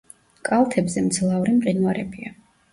კალთებზე მძლავრი მყინვარებია.